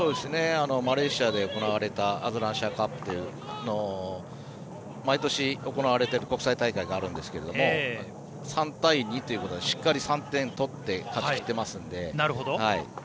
マレーシアで行われた毎年行われている国際大会があるんですけど３対２ということでしっかり３点取って勝ちきってますので。